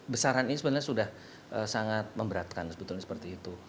besaran ini sebenarnya sudah sangat memberatkan sebetulnya seperti itu